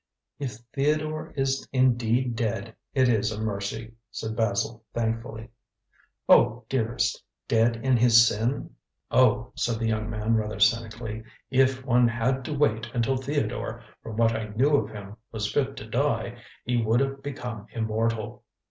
"If Theodore is indeed dead, it is a mercy," said Basil thankfully. "Oh, dearest! dead in his sin?" "Oh!" said the young man rather cynically; "if one had to wait until Theodore, from what I knew of him, was fit to die, he would have become immortal.